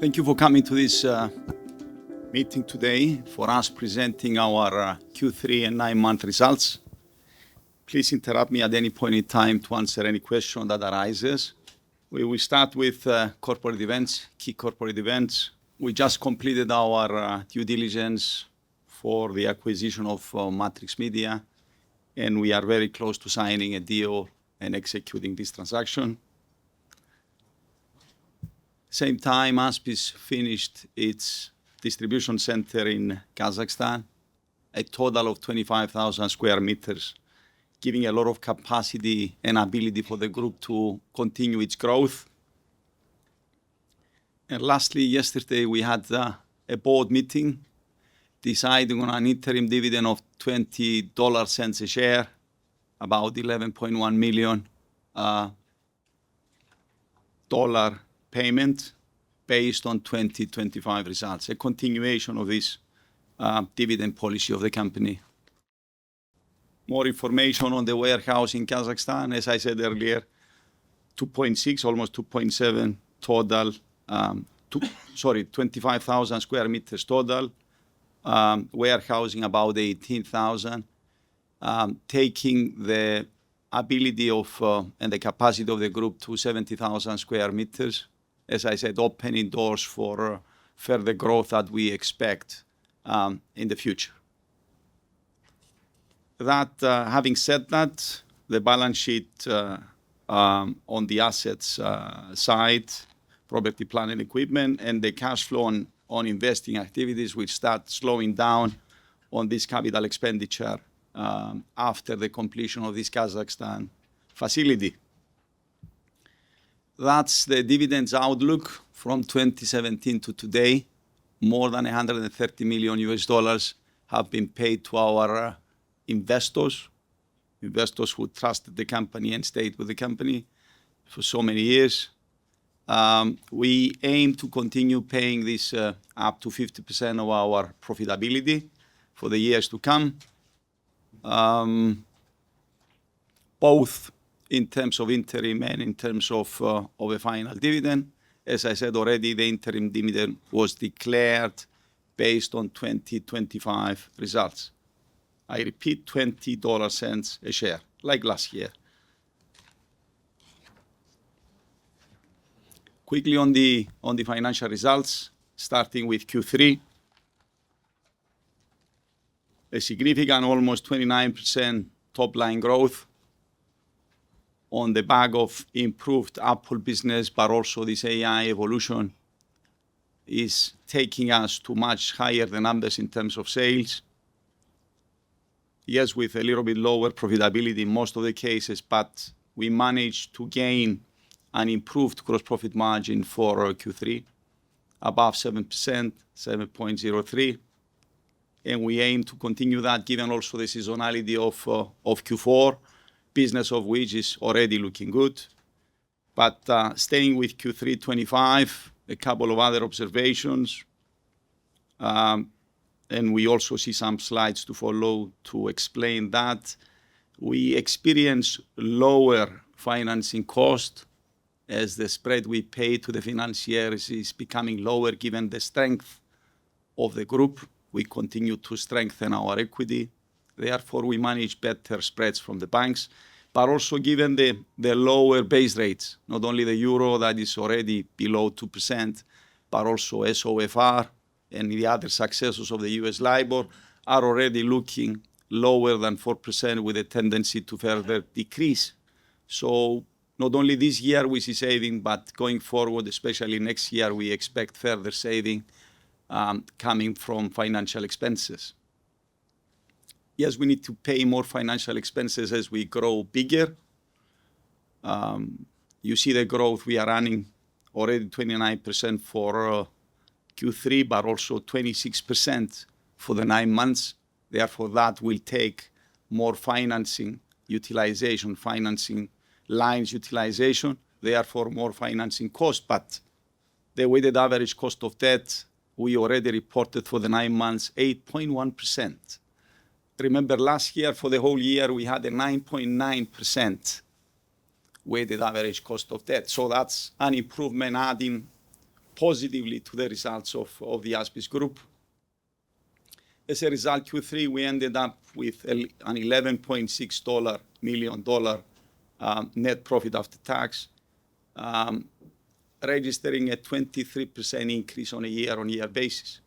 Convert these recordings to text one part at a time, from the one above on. Thank you for coming to this meeting today for us presenting our Q3 and nine-month results. Please interrupt me at any point in time to answer any question that arises. We will start with corporate events, key corporate events. We just completed our due diligence for the acquisition of Matrix Media, and we are very close to signing a deal and executing this transaction. At the same time, ASBIS finished its distribution center in Kazakhstan, a total of 25,000 sq m, giving a lot of capacity and ability for the group to continue its growth. And lastly, yesterday we had a board meeting deciding on an interim dividend of $20 a share, about $11.1 million payment based on 2025 results, a continuation of this dividend policy of the company. More information on the warehouse in Kazakhstan, as I said earlier, 2.6, almost 2.7 total, sorry, 25,000 square meters total, warehousing about 18,000, taking the ability of and the capacity of the group to 70,000 square meters. As I said, opening doors for further growth that we expect in the future. Having said that, the balance sheet on the assets side, property, plant and equipment, and the cash flow on investing activities, which start slowing down on this capital expenditure after the completion of this Kazakhstan facility. That's the dividends outlook from 2017 to today. More than $130 million have been paid to our investors, investors who trusted the company and stayed with the company for so many years. We aim to continue paying this up to 50% of our profitability for the years to come, both in terms of interim and in terms of a final dividend. As I said already, the interim dividend was declared based on 2025 results. I repeat, $20 a share, like last year. Quickly on the financial results, starting with Q3, a significant, almost 29% top-line growth on the back of improved Apple business, but also this AI evolution is taking us to much higher than others in terms of sales. Yes, with a little bit lower profitability in most of the cases, but we managed to gain an improved gross profit margin for Q3, above 7%, 7.03%. And we aim to continue that, given also the seasonality of Q4, business of which is already looking good. But staying with Q3 2025, a couple of other observations, and we also see some slides to follow to explain that we experience lower financing cost as the spread we pay to the financiers is becoming lower, given the strength of the group. We continue to strengthen our equity. Therefore, we manage better spreads from the banks, but also given the lower base rates, not only the euro that is already below 2%, but also SOFR and the other successors of the U.S. LIBOR are already looking lower than 4% with a tendency to further decrease. So not only this year we see saving, but going forward, especially next year, we expect further saving coming from financial expenses. Yes, we need to pay more financial expenses as we grow bigger. You see the growth we are running already 29% for Q3, but also 26% for the nine months. Therefore, that will take more financing utilization, financing lines utilization. Therefore, more financing cost, but the weighted average cost of debt we already reported for the nine months, 8.1%. Remember, last year for the whole year, we had a 9.9% weighted average cost of debt. That's an improvement adding positively to the results of the ASBIS Group. As a result, Q3, we ended up with an $11.6 million net profit after tax, registering a 23% increase on a year-on-year basis.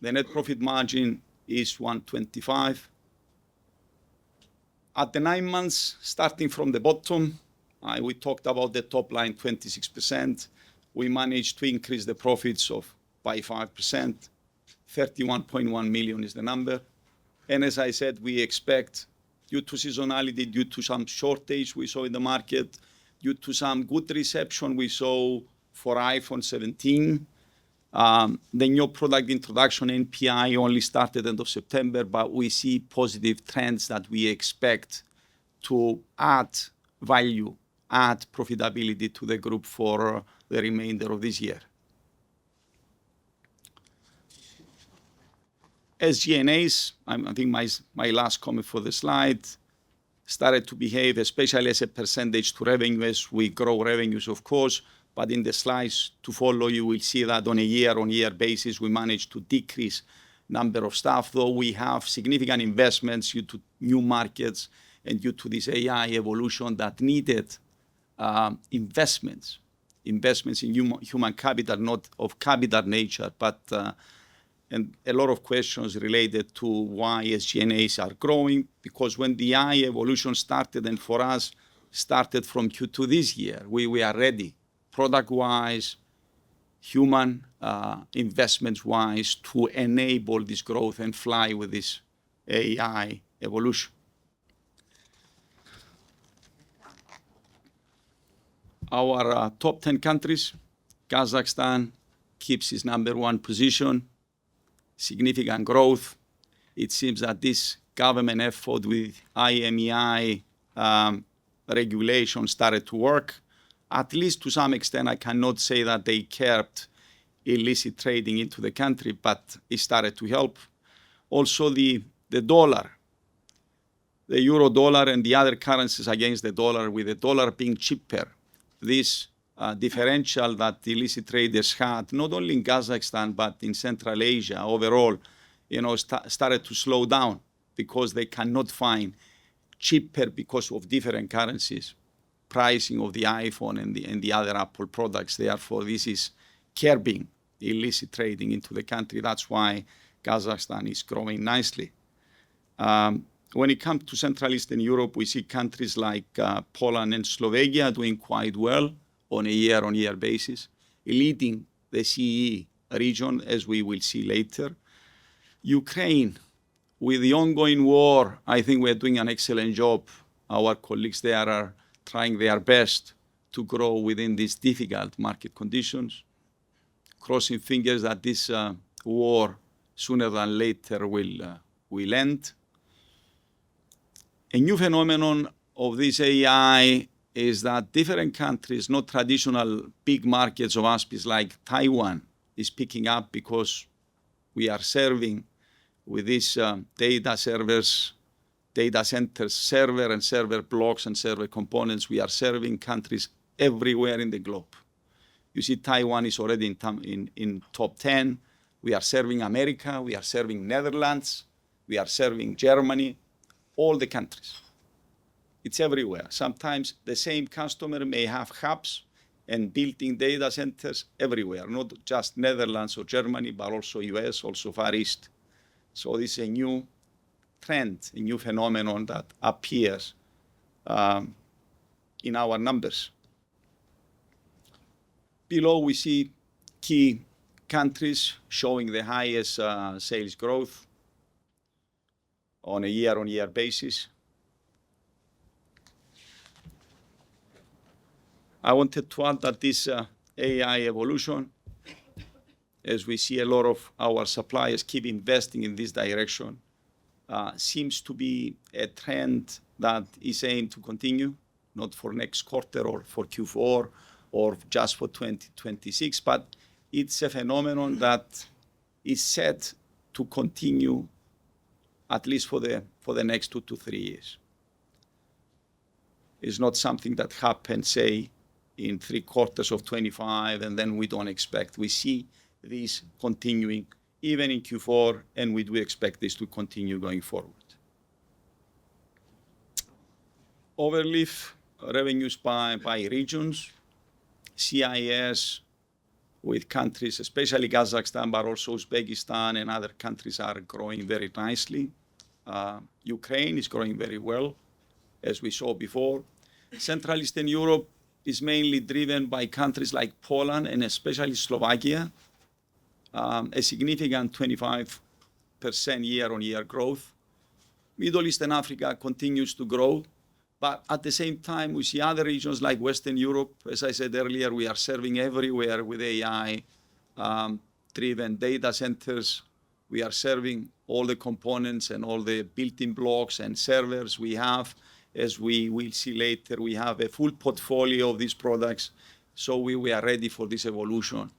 The net profit margin is 125. For the nine months, starting from the bottom, we talked about the top line 26%. We managed to increase the profits by 5%. $31.1 million is the number. And as I said, we expect due to seasonality, due to some shortage we saw in the market, due to some good reception we saw for iPhone 17. The new product introduction NPI only started end of September, but we see positive trends that we expect to add value, add profitability to the group for the remainder of this year. As SG&A, I think my last comment for the slide started to behave especially as a percentage to revenues. We grow revenues, of course, but in the slides to follow, you will see that on a year-on-year basis, we managed to decrease the number of staff, though we have significant investments due to new markets and due to this AI evolution that needed investments, investments in human capital, not of capital nature, but a lot of questions related to why SG&As are growing. Because when the AI evolution started, and for us, started from Q2 this year, we are ready product-wise, human investments-wise to enable this growth and fly with this AI evolution. Our top 10 countries, Kazakhstan keeps its number one position, significant growth. It seems that this government effort with IMEI regulation started to work. At least to some extent, I cannot say that they kept illicit trading into the country, but it started to help. Also, the dollar, the euro dollar and the other currencies against the dollar, with the dollar being cheaper, this differential that illicit traders had not only in Kazakhstan, but in Central Asia overall, started to slow down because they cannot find cheaper because of different currencies, pricing of the iPhone and the other Apple products. Therefore, this is curbing illicit trading into the country. That's why Kazakhstan is growing nicely. When it comes to Central Eastern Europe, we see countries like Poland and Slovakia doing quite well on a year-on-year basis, leading the CE region, as we will see later. Ukraine, with the ongoing war, I think we are doing an excellent job. Our colleagues there are trying their best to grow within these difficult market conditions, crossing fingers that this war sooner than later will end. A new phenomenon of this AI is that different countries, not traditional big markets of ASBIS like Taiwan, are picking up because we are serving with these data servers, data centers, server and server blocks and server components. We are serving countries everywhere in the globe. You see, Taiwan is already in top 10. We are serving America. We are serving Netherlands. We are serving Germany, all the countries. It's everywhere. Sometimes the same customer may have hubs and building data centers everywhere, not just Netherlands or Germany, but also U.S., also Far East. So this is a new trend, a new phenomenon that appears in our numbers. Below, we see key countries showing the highest sales growth on a year-on-year basis. I wanted to add that this AI evolution, as we see a lot of our suppliers keep investing in this direction, seems to be a trend that is aimed to continue, not for next quarter or for Q4 or just for 2026, but it's a phenomenon that is set to continue, at least for the next two to three years. It's not something that happens, say, in three quarters of 2025, and then we don't expect. We see this continuing even in Q4, and we do expect this to continue going forward. Overall revenues by regions. CIS with countries, especially Kazakhstan, but also Uzbekistan and other countries are growing very nicely. Ukraine is growing very well, as we saw before. Central Eastern Europe is mainly driven by countries like Poland and especially Slovakia, a significant 25% year-on-year growth. Middle East and Africa continues to grow, but at the same time, we see other regions like Western Europe. As I said earlier, we are serving everywhere with AI-driven data centers. We are serving all the components and all the building blocks and servers we have. As we will see later, we have a full portfolio of these products. So we are ready for this evolution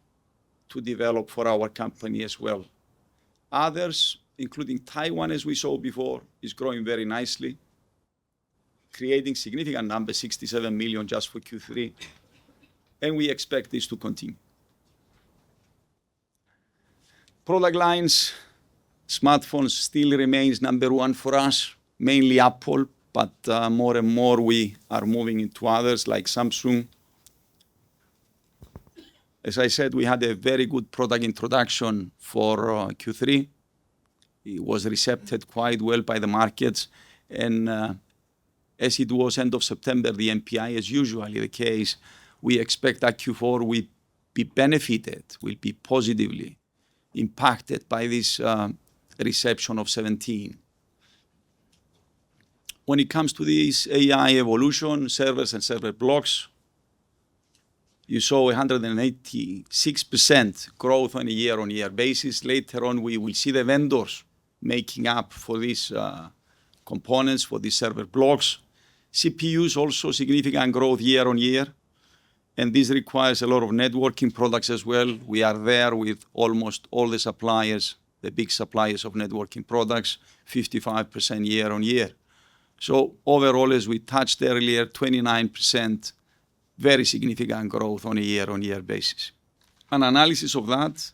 to develop for our company as well. Others, including Taiwan, as we saw before, is growing very nicely, creating significant numbers, 67 million just for Q3. And we expect this to continue. Product lines, smartphones still remains number one for us, mainly Apple, but more and more we are moving into others like Samsung. As I said, we had a very good product introduction for Q3. It was received quite well by the markets. And as it was end of September, the NPI, as usually the case, we expect that Q4 we'll be benefited, will be positively impacted by this reception of '17. When it comes to this AI evolution, servers and server blocks, you saw 186% growth on a year-on-year basis. Later on, we will see the vendors making up for these components, for these server blocks. CPUs also significant growth year-on-year. And this requires a lot of networking products as well. We are there with almost all the suppliers, the big suppliers of networking products, 55% year-on-year. So overall, as we touched earlier, 29%, very significant growth on a year-on-year basis. An analysis of that,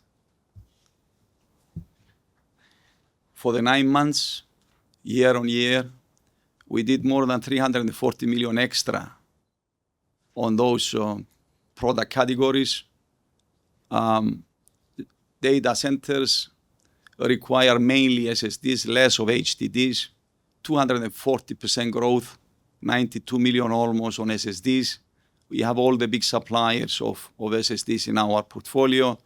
for the nine months, year-on-year, we did more than 340 million extra on those product categories. Data centers require mainly SSDs, less of HDDs, 240% growth, almost 92 million on SSDs. We have all the big suppliers of SSDs in our portfolio.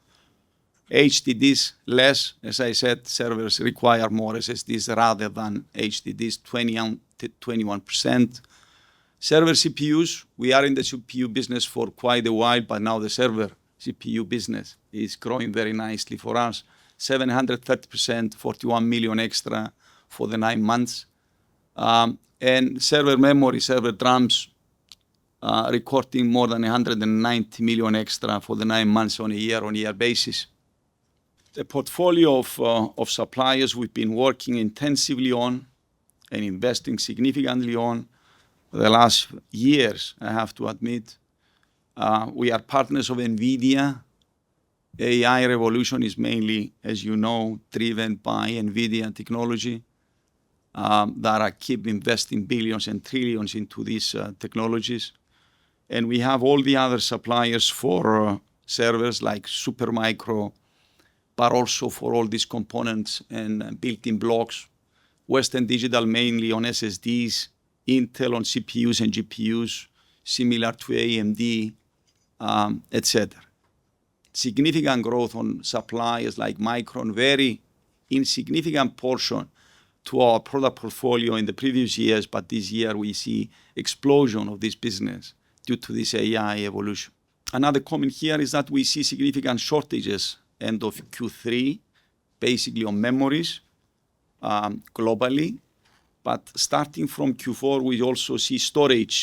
HDDs less, as I said, servers require more SSDs rather than HDDs, 20%-21%. Server CPUs, we are in the CPU business for quite a while, but now the server CPU business is growing very nicely for us, 730%, 41 million extra for the nine months. Server memory, server DRAMs recording more than 190 million extra for the nine months on a year-on-year basis. The portfolio of suppliers we've been working intensively on and investing significantly on the last years, I have to admit. We are partners of NVIDIA. AI revolution is mainly, as you know, driven by NVIDIA technology. They keep investing billions and trillions into these technologies. We have all the other suppliers for servers like Supermicro, but also for all these components and building blocks. Western Digital mainly on SSDs, Intel on CPUs and GPUs, similar to AMD, etc. Significant growth on suppliers like Micron, very insignificant portion to our product portfolio in the previous years, but this year we see explosion of this business due to this AI evolution. Another comment here is that we see significant shortages end of Q3, basically on memories globally. But starting from Q4, we also see storage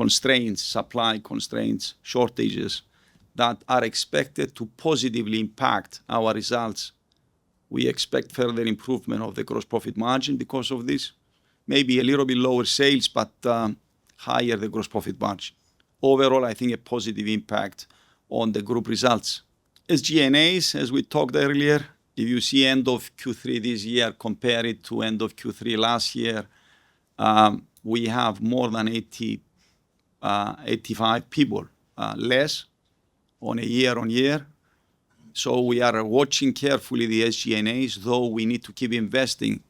constraints, supply constraints, shortages that are expected to positively impact our results. We expect further improvement of the gross profit margin because of this. Maybe a little bit lower sales, but higher the gross profit margin. Overall, I think a positive impact on the group results. As SG&As, as we talked earlier, if you see end of Q3 this year, compare it to end of Q3 last year, we have more than 85 people less on a year-on-year. We are watching carefully the SG&A, though we need to keep investing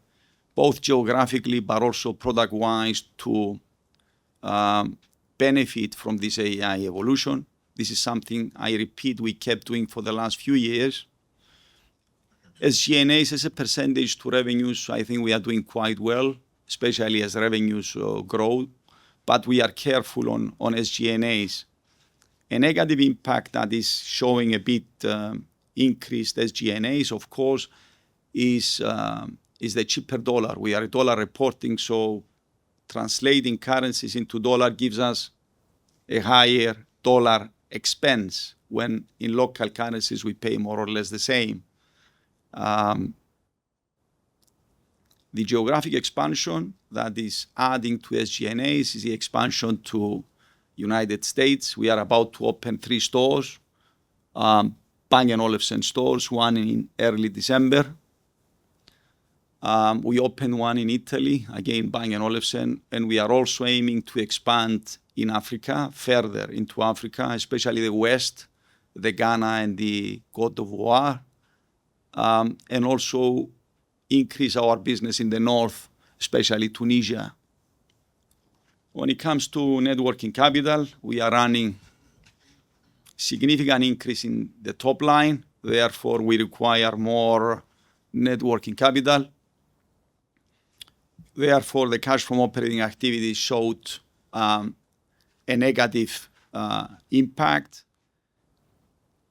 both geographically, but also product-wise to benefit from this AI evolution. This is something I repeat we kept doing for the last few years. SG&A as a percentage to revenues, I think we are doing quite well, especially as revenues grow. But we are careful on SG&A. A negative impact that is showing a bit increased SG&A, of course, is the cheaper dollar. We are dollar reporting, so translating currencies into dollar gives us a higher dollar expense when in local currencies we pay more or less the same. The geographic expansion that is adding to SG&A is the expansion to the United States. We are about to open three stores, Bang & Olufsen stores, one in early December. We opened one in Italy, again, Bang & Olufsen. We are also aiming to expand in Africa, further into Africa, especially the West, Ghana, and Côte d'Ivoire, and also increase our business in the north, especially Tunisia. When it comes to net working capital, we are running a significant increase in the top line. Therefore, we require more net working capital. Therefore, the cash from operating activities showed a negative impact.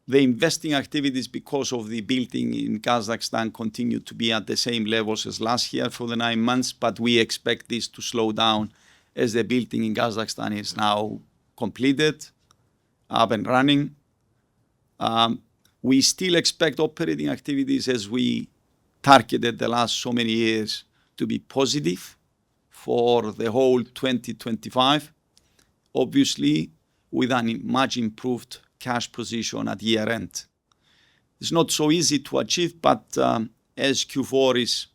The investing activities because of the building in Kazakhstan continue to be at the same levels as last year for the nine months, but we expect this to slow down as the building in Kazakhstan is now completed, up and running. We still expect operating activities as we targeted the last so many years to be positive for the whole 2025, obviously with a much improved cash position at year-end. It's not so easy to achieve, but as Q4 is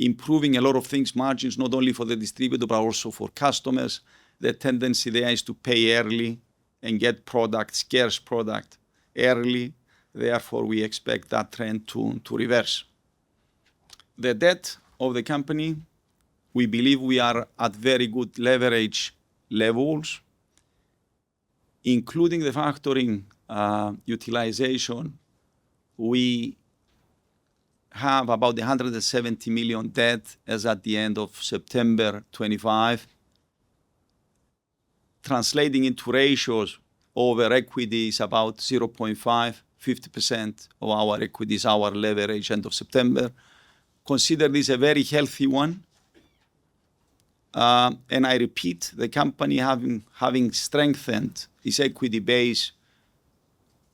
improving a lot of things, margins not only for the distributor, but also for customers, the tendency there is to pay early and get product, scarce product early. Therefore, we expect that trend to reverse. The debt of the company. We believe we are at very good leverage levels, including the factoring utilization. We have about $170 million debt as at the end of September 2025, translating into ratios over equities about 0.5, 50% of our equities, our leverage end of September. Consider this a very healthy one. I repeat, the company having strengthened its equity base,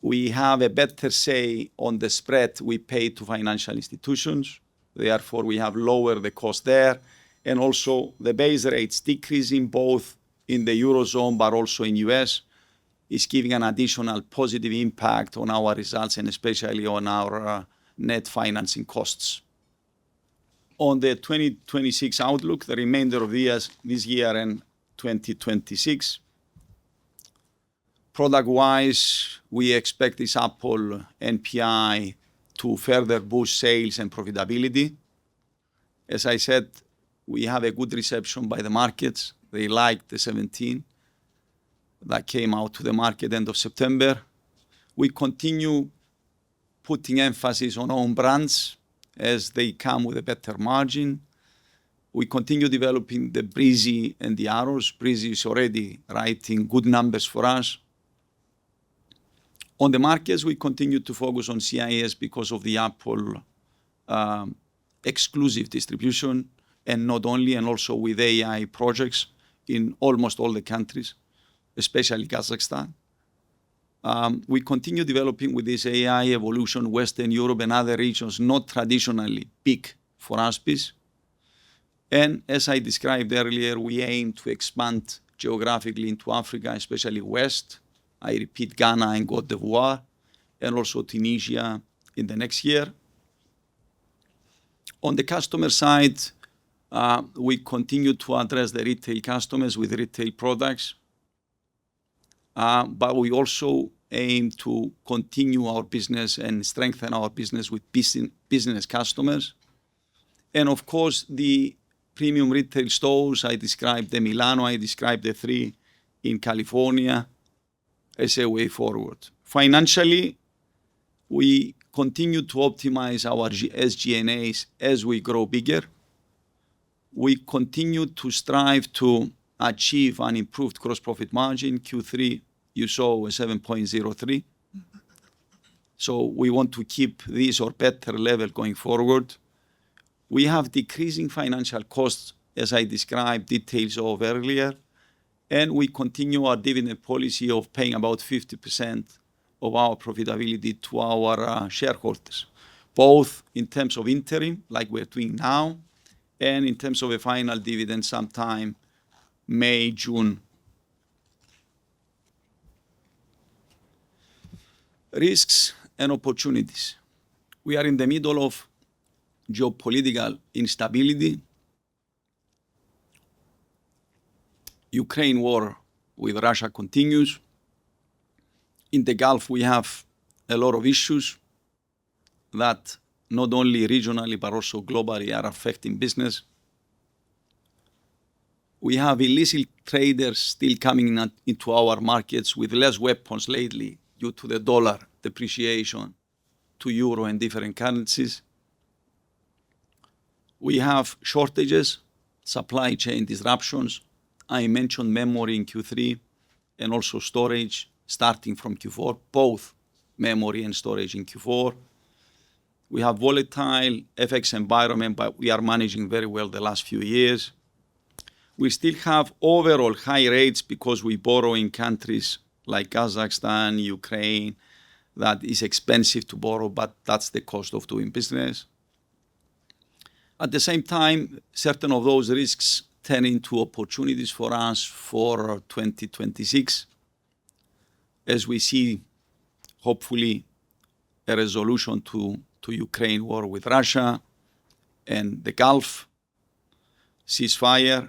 we have a better say on the spread we pay to financial institutions. Therefore, we have lowered the cost there. And also the base rates decreasing both in the Eurozone, but also in the U.S., is giving an additional positive impact on our results and especially on our net financing costs. On the 2026 outlook, the remainder of this year and 2026, product-wise, we expect this Apple NPI to further boost sales and profitability. As I said, we have a good reception by the markets. They liked the '17 that came out to the market end of September. We continue putting emphasis on own brands as they come with a better margin. We continue developing the Breezy and the AROS. Breezy is already writing good numbers for us. On the markets, we continue to focus on CIS because of the Apple exclusive distribution and not only, and also with AI projects in almost all the countries, especially Kazakhstan. We continue developing with this AI evolution, Western Europe and other regions, not traditionally big for us piece. As I described earlier, we aim to expand geographically into Africa, especially West. I repeat, Ghana and Côte d'Ivoire, and also Tunisia in the next year. On the customer side, we continue to address the retail customers with retail products, but we also aim to continue our business and strengthen our business with business customers. Of course, the premium retail stores I described, the Milan, I described the three in California, as a way forward. Financially, we continue to optimize our SG&As as we grow bigger. We continue to strive to achieve an improved gross profit margin. Q3, you saw 7.03%. So we want to keep this or better level going forward. We have decreasing financial costs, as I described details of earlier. We continue our dividend policy of paying about 50% of our profitability to our shareholders, both in terms of interim like we're doing now and in terms of a final dividend sometime May, June. Risks and opportunities. We are in the middle of geopolitical instability. Ukraine war with Russia continues. In the Gulf, we have a lot of issues that not only regionally, but also globally are affecting business. We have illegal traders still coming into our markets with less weapons lately due to the dollar depreciation to euro and different currencies. We have shortages, supply chain disruptions. I mentioned memory in Q3 and also storage starting from Q4, both memory and storage in Q4. We have volatile FX environment, but we are managing very well the last few years. We still have overall high rates because we borrow in countries like Kazakhstan, Ukraine. That is expensive to borrow, but that's the cost of doing business. At the same time, certain of those risks turn into opportunities for us for 2026, as we see hopefully a resolution to the Ukraine war with Russia and the Gulf ceasefire.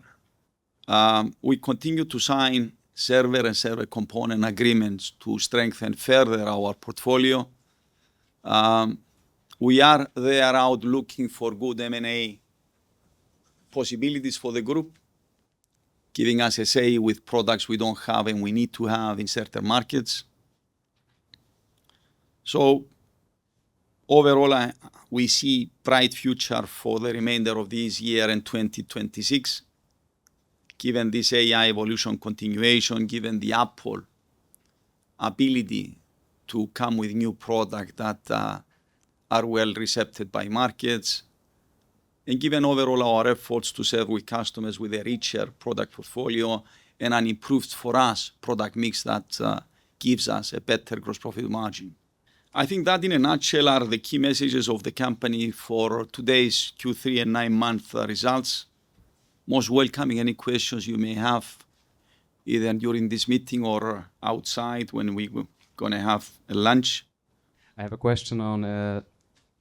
We continue to sign server and server component agreements to strengthen further our portfolio. We are out there looking for good M&A possibilities for the group, giving us a say with products we don't have and we need to have in certain markets. So overall, we see a bright future for the remainder of this year and 2026, given this AI evolution continuation, given the Apple's ability to come with new products that are well received by markets, and given overall our efforts to serve customers with a richer product portfolio and an improved-for-us product mix that gives us a better gross profit margin. I think that in a nutshell are the key messages of the company for today's Q3 and nine-month results. Most welcome any questions you may have either during this meeting or outside when we're going to have lunch. I have a question on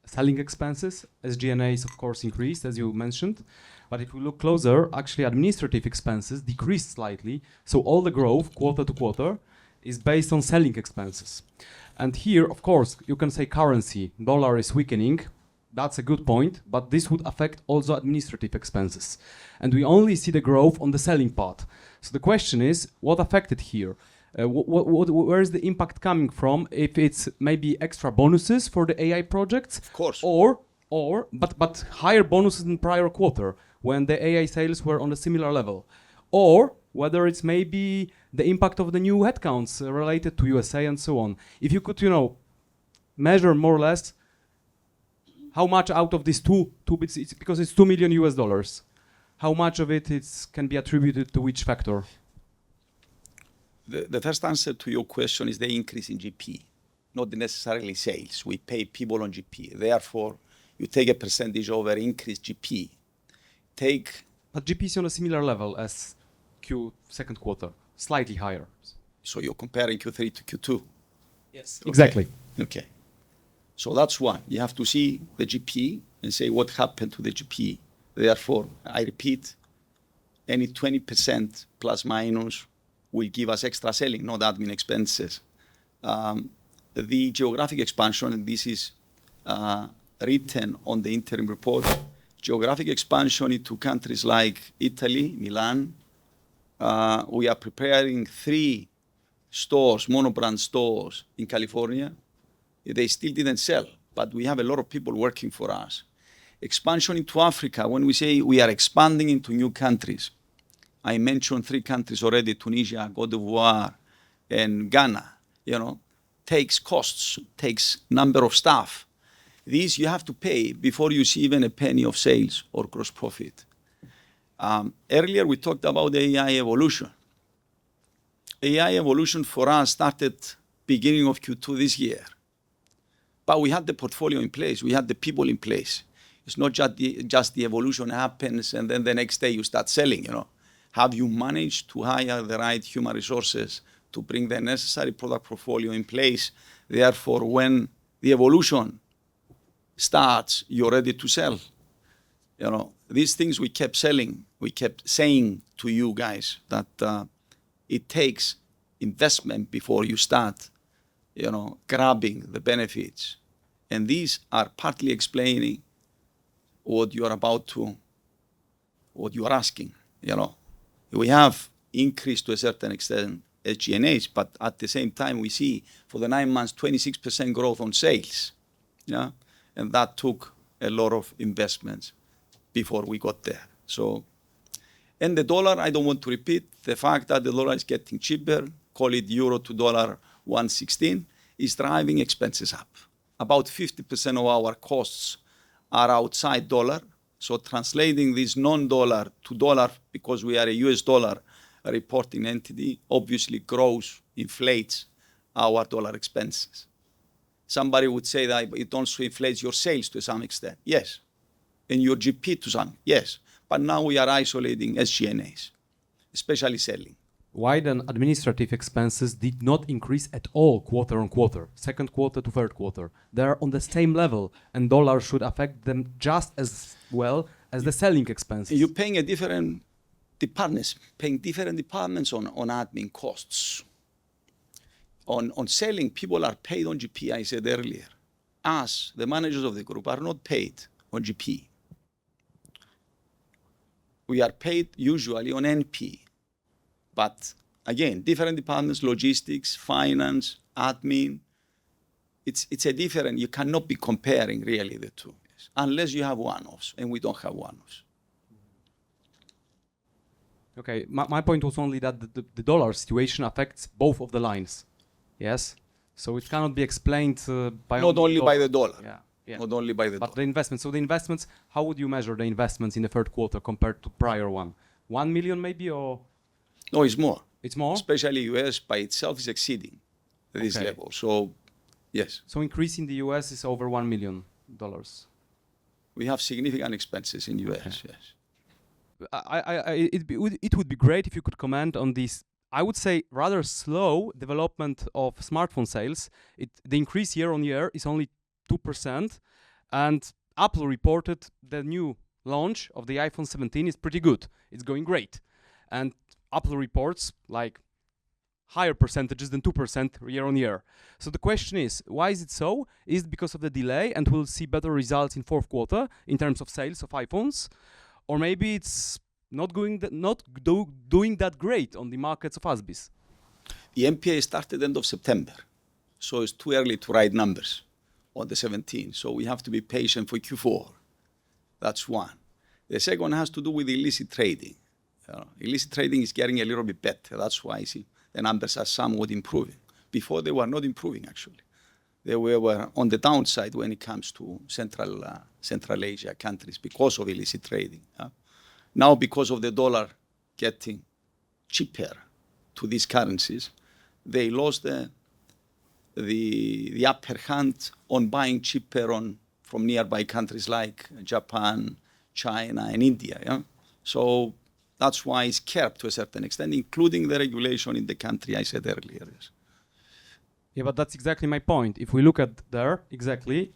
selling expenses. SG&A, of course, increased, as you mentioned. But if we look closer, actually administrative expenses decreased slightly. So all the growth quarter to quarter is based on selling expenses. And here, of course, you can say currency, dollar is weakening. That's a good point, but this would affect also administrative expenses. And we only see the growth on the selling part. So the question is, what affected here? Where is the impact coming from? If it's maybe extra bonuses for the AI projects. Of course. Or, but higher bonuses in prior quarter when the AI sales were on a similar level. Or whether it's maybe the impact of the new headcounts related to U.S.A. and so on. If you could measure more or less how much out of these two bits, because it's $2 million, how much of it can be attributed to which factor? The first answer to your question is the increase in GP, not necessarily sales. We pay people on GP. Therefore, you take a percentage over increased GP. But GP is on a similar level as Q second quarter, slightly higher. So you're comparing Q3 to Q2? Yes, exactly. Okay. So that's one. You have to see the GP and say what happened to the GP. Therefore, I repeat, any 20% plus minus will give us extra selling, not admin expenses. The geographic expansion, and this is written on the interim report, geographic expansion into countries like Italy, Milan. We are preparing three stores, monobrand stores in California. They still didn't sell, but we have a lot of people working for us. Expansion into Africa, when we say we are expanding into new countries, I mentioned three countries already, Tunisia, Côte d'Ivoire, and Ghana, takes costs, takes number of staff. These you have to pay before you see even a penny of sales or gross profit. Earlier, we talked about the AI evolution. AI evolution for us started beginning of Q2 this year, but we had the portfolio in place. We had the people in place. It's not just the evolution happens and then the next day you start selling. Have you managed to hire the right human resources to bring the necessary product portfolio in place? Therefore, when the evolution starts, you're ready to sell. These things we kept selling. We kept saying to you guys that it takes investment before you start grabbing the benefits, and these are partly explaining what you're about to, what you're asking. We have increased to a certain extent SG&A, but at the same time, we see for the nine months 26% growth on sales, and that took a lot of investments before we got there. And the dollar, I don't want to repeat the fact that the dollar is getting cheaper, call it euro to dollar 116, is driving expenses up. About 50% of our costs are outside dollar. So translating this non-dollar to dollar, because we are a US dollar reporting entity, obviously grows, inflates our dollar expenses. Somebody would say that it also inflates your sales to some extent. Yes, and your GP to some, yes, but now we are isolating SG&A, especially selling. Why then administrative expenses did not increase at all quarter on quarter, second quarter to third quarter? They're on the same level and dollar should affect them just as well as the selling expenses. You're paying different departments on admin costs. On selling, people are paid on GP, I said earlier. Us, the managers of the group, are not paid on GP. We are paid usually on NP. But again, different departments, logistics, finance, admin. It's different, you cannot be comparing really the two, unless you have one-offs and we don't have one-offs. Okay. My point was only that the dollar situation affects both of the lines, yes? So it cannot be explained by. Not only by the dollar. Yeah. Not only by the dollar. But the investments, how would you measure the investments in the third quarter compared to prior one? One million, maybe? Or. No, it's more. It's more? Especially the U.S. by itself is exceeding this level. So yes. So the increasing in the U.S. is over $1 million? We have significant expenses in the U.S., yes. It would be great if you could comment on these. I would say rather slow development of smartphone sales. The increase year-on-year is only 2%. And Apple reported the new launch of the iPhone 17 is pretty good. It's going great. And Apple reports like higher percentages than 2% year-on-year. So the question is, why is it so? Is it because of the delay and we'll see better results in fourth quarter in terms of sales of iPhones? Or maybe it's not doing that great on the markets of ASBIS? The NPI started end of September. So it's too early to write numbers on the 17th. We have to be patient for Q4. That's one. The second one has to do with illicit trading. Illicit trading is getting a little bit better. That's why I see the numbers are somewhat improving. Before, they were not improving, actually. They were on the downside when it comes to Central Asia countries because of illicit trading. Now, because of the dollar getting cheaper to these currencies, they lost the upper hand on buying cheaper from nearby countries like Japan, China, and India. So that's why it's kept to a certain extent, including the regulation in the country I said earlier. Yeah, but that's exactly my point. If we look at there exactly,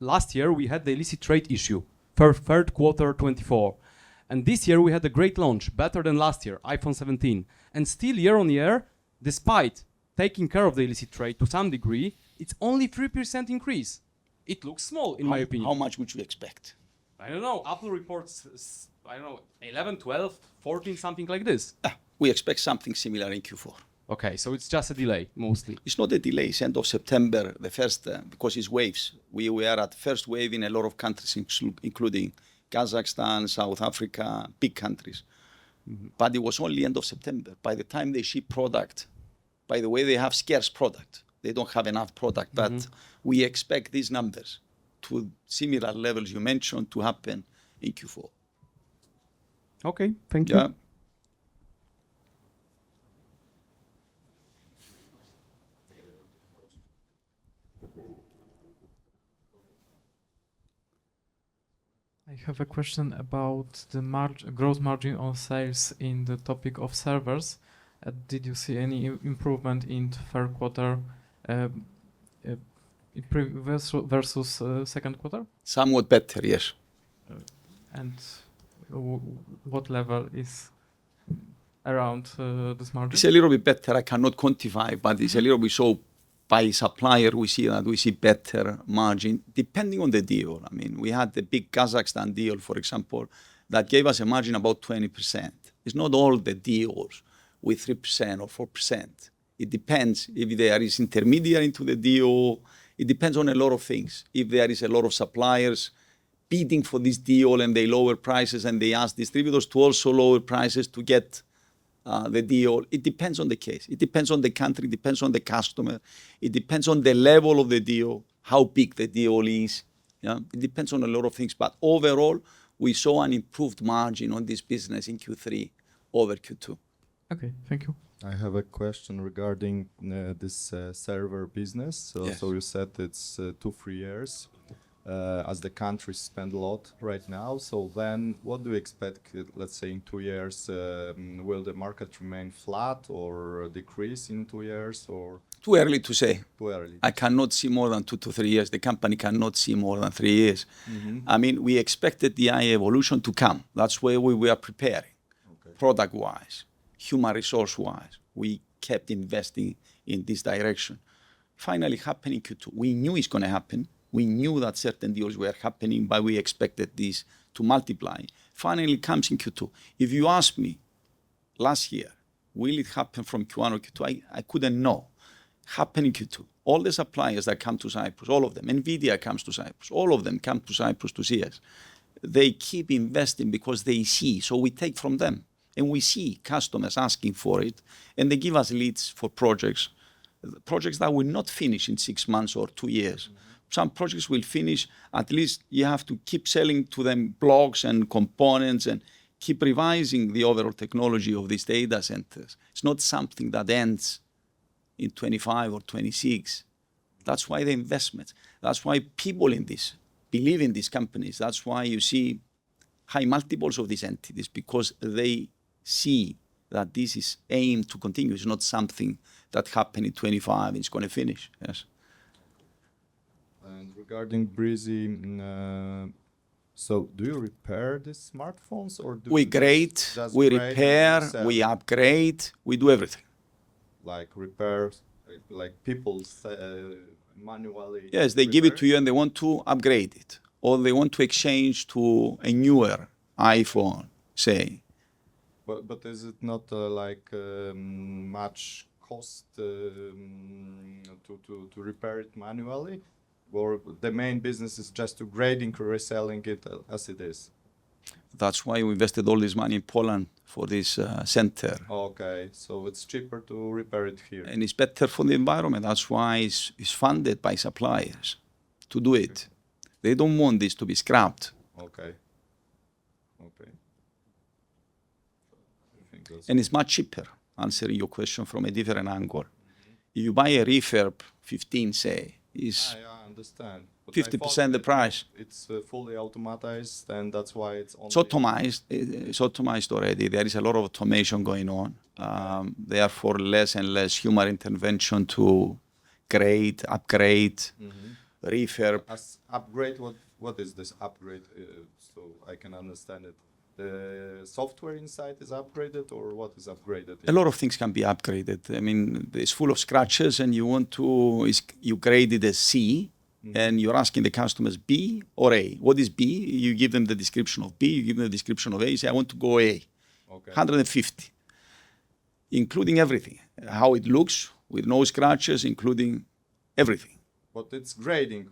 last year we had the illicit trade issue for third quarter 2024. And this year we had a great launch, better than last year, iPhone 17. Still year-on-year, despite taking care of the illicit trade to some degree, it's only 3% increase. It looks small in my opinion. How much would you expect? I don't know. Apple reports, I don't know, 11, 12, 14, something like this. We expect something similar in Q4. Okay, so it's just a delay mostly. It's not a delay. It's end of September, the first, because it's waves. We are at first wave in a lot of countries, including Kazakhstan, South Africa, big countries. But it was only end of September. By the time they ship product, by the way, they have scarce product. They don't have enough product. But we expect these numbers to similar levels you mentioned to happen in Q4. Okay, thank you. I have a question about the gross margin on sales in the topic of servers. Did you see any improvement in third quarter versus second quarter? Somewhat better, yes. And what level is around this margin? It's a little bit better. I cannot quantify, but it's a little bit so by supplier we see that we see better margin depending on the deal. I mean, we had the big Kazakhstan deal, for example, that gave us a margin about 20%. It's not all the deals with 3% or 4%. It depends if there is intermediary to the deal. It depends on a lot of things. If there is a lot of suppliers bidding for this deal and they lower prices and they ask distributors to also lower prices to get the deal, it depends on the case. It depends on the country, it depends on the customer, it depends on the level of the deal, how big the deal is. It depends on a lot of things, but overall, we saw an improved margin on this business in Q3 over Q2. Okay, thank you. I have a question regarding this server business, so you said it's two, three years as the country spends a lot right now, so then what do you expect, let's say in two years, will the market remain flat or decrease in two years or? Too early to say. Too early. I cannot see more than two to three years. The company cannot see more than three years. I mean, we expected the evolution to come. That's why we were preparing product-wise, human resource-wise. We kept investing in this direction. Finally happening in Q2. We knew it's going to happen. We knew that certain deals were happening, but we expected this to multiply. Finally comes in Q2. If you ask me last year, will it happen from Q1 or Q2, I couldn't know. Happen in Q2. All the suppliers that come to Cyprus, all of them, NVIDIA comes to Cyprus, all of them come to Cyprus to see us. They keep investing because they see. So we take from them and we see customers asking for it and they give us leads for projects, projects that will not finish in six months or two years. Some projects will finish, at least you have to keep selling to them blocks and components and keep revising the overall technology of these data centers. It's not something that ends in 2025 or 2026. That's why the investments. That's why people in this believe in these companies. That's why you see high multiples of these entities because they see that this is aimed to continue. It's not something that happened in 2025 and it's going to finish. And regarding Breezy, so do you repair the smartphones or do you? We grade, we repair, we upgrade, we do everything. Like repairs, like people manually. Yes, they give it to you and they want to upgrade it or they want to exchange to a newer iPhone, say. But is it not like much cost to repair it manually? Or the main business is just to grade and reselling it as it is. That's why we invested all this money in Poland for this center. Okay, so it's cheaper to repair it here. And it's better for the environment. That's why it's funded by suppliers to do it. They don't want this to be scrapped. Okay. Okay. And it's much cheaper, answering your question from a different angle. If you buy a refurb 15, say, is. I understand. 50% the price. It's fully automated and that's why it's on. It's automated already. There is a lot of automation going on. Therefore, less and less human intervention to grade, upgrade, refurb. Upgrade, what is this upgrade? So I can understand it. The software inside is upgraded or what is upgraded? A lot of things can be upgraded. I mean, it's full of scratches and you want to, you graded a C and you're asking the customers B or A. What is B? You give them the description of B, you give them the description of A, you say, I want to go A. Okay. 150, including everything, how it looks with no scratches, including everything. But it's grading.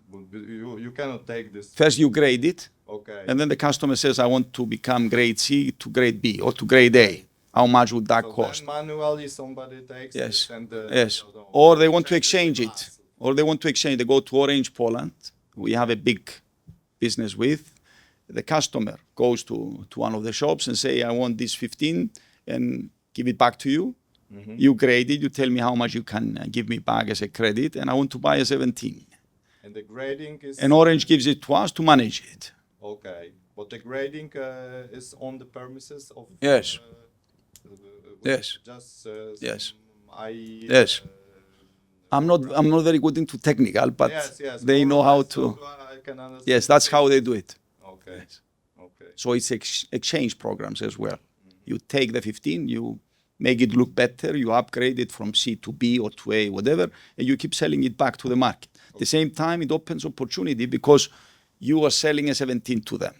You cannot take this. First, you grade it. Okay. And then the customer says, I want to become grade C to grade B or to grade A. How much would that cost? Or manually somebody takes it and yes. Or they want to exchange it. They go to Orange Poland. We have a big business with. The customer goes to one of the shops and say, I want this 15 and give it back to you. You grade it, you tell me how much you can give me back as a credit and I want to buy a 17. And Orange gives it to us to manage it. Okay. But the grading is on the premises of yes. Yes. I'm not very good into technical, but they know how to. I can understand. Yes, that's how they do it. Okay. So it's exchange programs as well. You take the 15, you make it look better, you upgrade it from C to B or to A, whatever, and you keep selling it back to the market. At the same time, it opens opportunity because you are selling a 17 to them.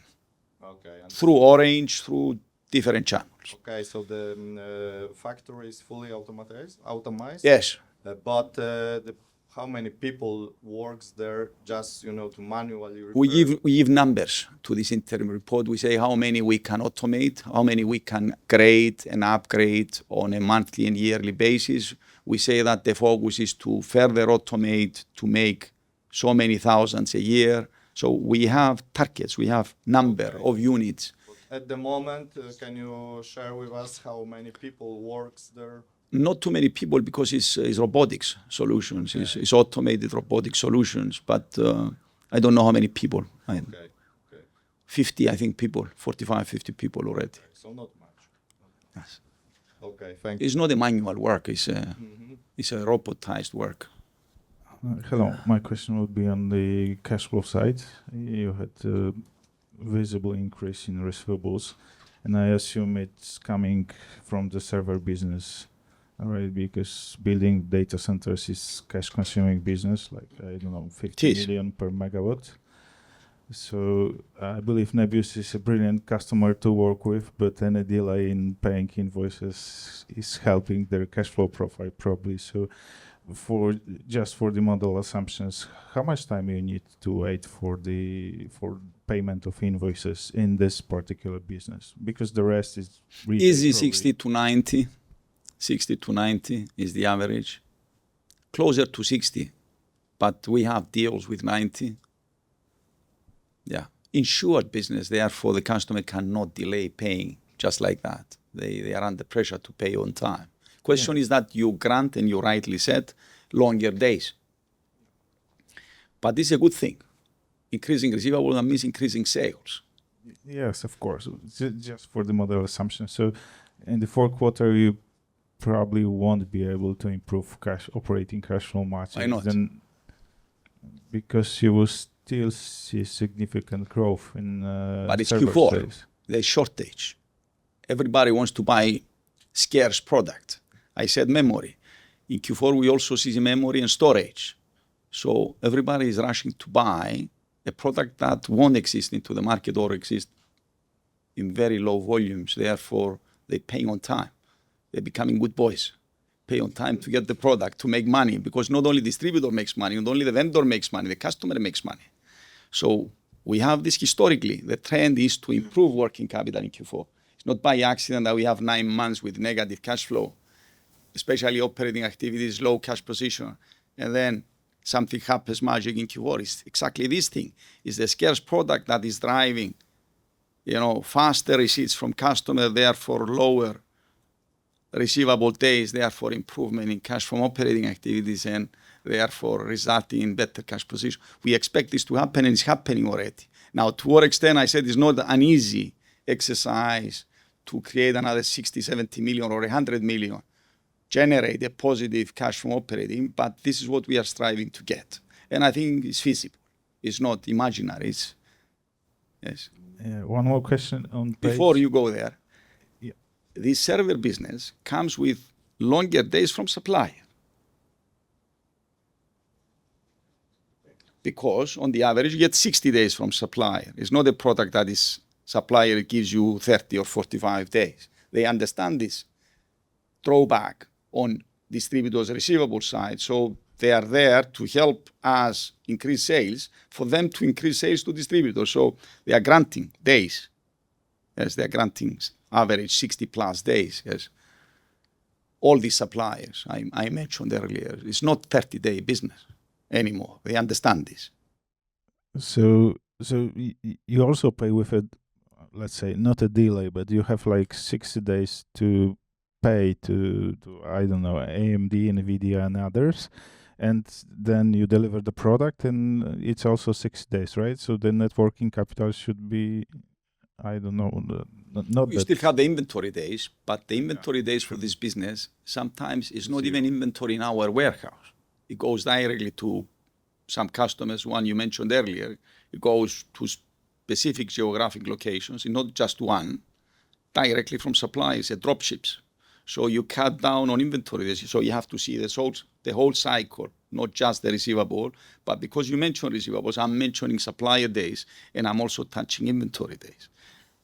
Okay. Through Orange, through different channels. Okay. So the factory is fully automated? Yes. But how many people work there just to manually? We give numbers to this interim report. We say how many we can automate, how many we can create and upgrade on a monthly and yearly basis. We say that the focus is to further automate to make so many thousands a year. So we have targets, we have number of units. At the moment, can you share with us how many people work there? Not too many people because it's robotics solutions. It's automated robotics solutions, but I don't know how many people. Okay. 50, I think people, 45, 50 people already. So not much. Okay. Thank you. It's not a manual work. It's a robotized work. Hello. My question would be on the cash flow side. You had a visible increase in receivables. And I assume it's coming from the server business, right? Because building data centers is a cash-consuming business, like I don't know, 50 million per megawatt. So I believe Nebius is a brilliant customer to work with, but any delay in paying invoices is helping their cash flow profile probably. So just for the model assumptions, how much time do you need to wait for the payment of invoices in this particular business? Because the rest is Easy 60 to 90. 60 to 90 is the average. Closer to 60, but we have deals with 90. Yeah. Insured business, therefore the customer cannot delay paying just like that. They are under pressure to pay on time. The question is that you grant and you rightly said longer days. But this is a good thing. Increasing receivables means increasing sales. Yes, of course. Just for the model assumptions. So in the fourth quarter, you probably won't be able to improve operating cash flow much. I know. Because you will still see significant growth in. But it's Q4. The shortage. Everybody wants to buy scarce product. I said memory. In Q4, we also see the memory and storage. So everybody is rushing to buy a product that won't exist in the market or exist in very low volumes. Therefore, they pay on time. They're becoming good boys. Pay on time to get the product, to make money. Because not only the distributor makes money, not only the vendor makes money, the customer makes money. So we have this historically. The trend is to improve working capital in Q4. It's not by accident that we have nine months with negative cash flow, especially operating activities, low cash position, and then something happens magic in Q4. It's exactly this thing. It's the scarce product that is driving faster receipts from customers, therefore lower receivable days, therefore improvement in cash from operating activities, and therefore resulting in better cash position. We expect this to happen and it's happening already. Now, to what extent I said it's not an easy exercise to create another 60 million -70 million or 100 million, generate a positive cash from operating, but this is what we are striving to get, and I think it's feasible. It's not imaginary. Yes. One more question on. Before you go there. The server business comes with longer days from supply. Because on the average, you get 60 days from supply. It's not a product that is supplier gives you 30 or 45 days. They understand this throwback on distributors' receivable side. So they are there to help us increase sales for them to increase sales to distributors. So they are granting days. Yes, they are granting average 60 plus days. Yes. All these suppliers I mentioned earlier, it's not 30-day business anymore. They understand this. So you also pay with, let's say, not a delay, but you have like 60 days to pay to, I don't know, AMD, NVIDIA and others. And then you deliver the product and it's also 60 days, right? So the net working capital should be, I don't know. We still have the inventory days, but the inventory days for this business sometimes is not even inventory in our warehouse. It goes directly to some customers, one you mentioned earlier. It goes to specific geographic locations, not just one, directly from suppliers and dropships. So you cut down on inventory. So you have to see the whole cycle, not just the receivable. But because you mentioned receivables, I'm mentioning supplier days and I'm also touching inventory days.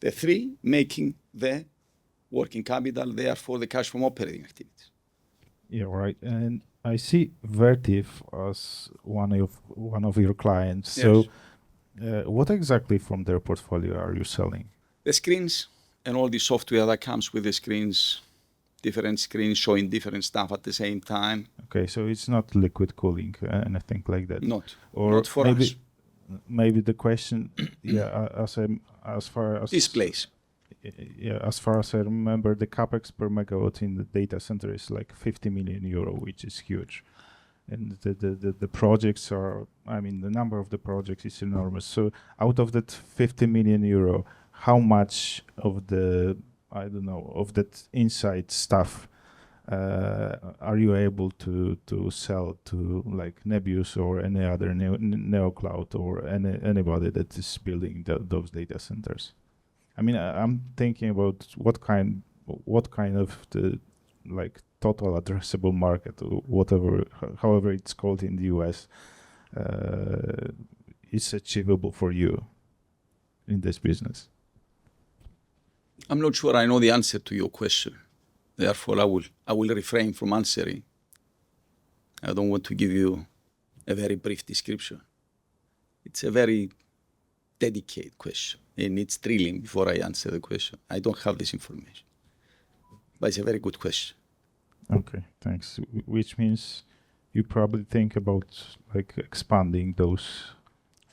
The three making the working capital, therefore the cash from operating activities. Yeah, right. And I see Vertiv as one of your clients. So what exactly from their portfolio are you selling? The screens and all the software that comes with the screens, different screens showing different stuff at the same time. Okay, so it's not liquid cooling and I think like that. Not for actually. Maybe the question, yeah, as far as I remember, the CapEx per megawatt in the data center is like 50 million euro, which is huge. And the projects are, I mean, the number of the projects is enormous. So out of that 50 million euro, how much of the, I don't know, of that inside stuff are you able to sell to like Nebius or any other NeoCloud or anybody that is building those data centers? I mean, I'm thinking about what kind of the like total addressable market or whatever, however it's called in the U.S., is achievable for you in this business. I'm not sure I know the answer to your question. Therefore, I will refrain from answering. I don't want to give you a very brief description. It's a very dedicated question and it's thrilling before I answer the question. I don't have this information, but it's a very good question. Okay, thanks. Which means you probably think about like expanding those.